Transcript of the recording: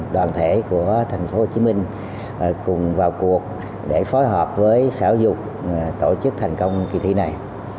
đoàn thể của tp hcm cùng vào cuộc để phối hợp với sở giáo dục tổ chức thành công kỳ thi này